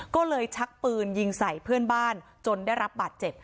ก็เลยชักปืนยิงใส่เพื่อนบ้านจนได้รับบาดเจ็บ